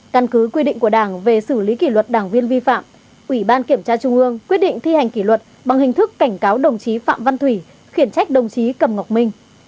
căn cứ quy định của đảng về xử lý kỷ luật đảng viên vi phạm ủy ban kiểm tra trung ương quyết định thi hành kỷ luật bằng hình thức cảnh cáo đồng chí phạm văn thủy khiển trách đồng chí cầm ngọc minh